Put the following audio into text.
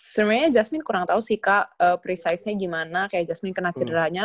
sebenarnya jasmin kurang tahu sih kak precisenya gimana kayak jasmin kena cederanya